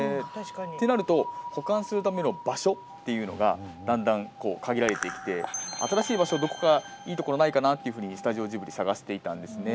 となると保管する場所っていうのがだんだん限られてきて新しい場所、どこかいい所ないかなっていうふうにスタジオジブリ探していたんですね。